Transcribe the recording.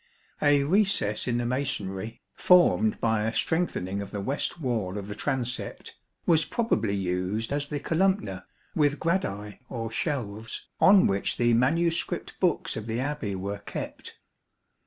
A recess in the masonry, formed by a strengthening of the west wall of the transept, was probably used as the colmnpna, witli gradi or shelves, on which the manuscript books of the Abbey were kept.